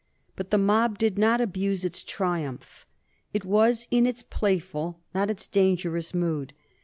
But the mob did not abuse its triumph. It was in its playful, not its dangerous mood.